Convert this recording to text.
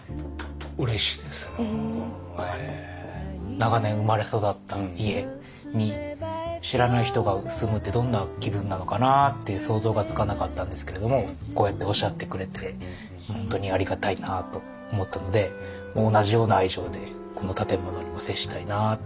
長年生まれ育った家に知らない人が住むってどんな気分なのかなって想像がつかなかったんですけれどもこうやっておっしゃってくれて本当にありがたいなと思ったのでほいじゃ頑張って。